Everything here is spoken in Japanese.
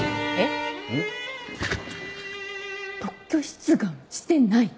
特許出願してない？